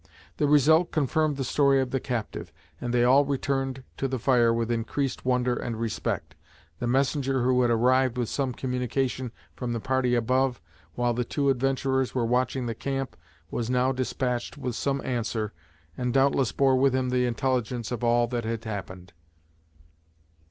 The result confirmed the story of the captive, and they all returned to the fire with increased wonder and respect. The messenger who had arrived with some communication from the party above, while the two adventurers were watching the camp, was now despatched with some answer, and doubtless bore with him the intelligence of all that had happened.